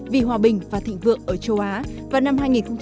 vì hòa bình và thịnh vượng ở châu á vào năm hai nghìn một mươi bốn